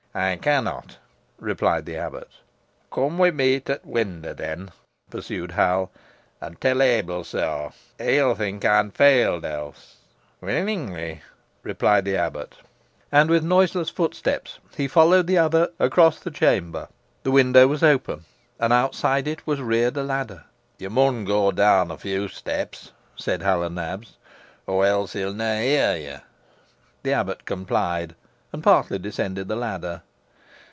"I cannot," replied the abbot. "Cum wi' meh to t' windaw, then," pursued Hal, "and tell Ebil so. He'll think ey'n failed else." "Willingly," replied the abbot. And with noiseless footsteps he followed the other across the chamber. The window was open, and outside it was reared a ladder. "Yo mun go down a few steps," said Hal o' Nabs, "or else he'll nah hear yo." The abbot complied, and partly descended the ladder.